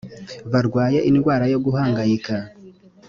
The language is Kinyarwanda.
barwaye indwara yo guhangayika